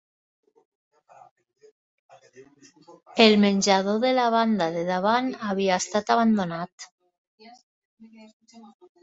El menjador de la banda de davant havia estat abandonat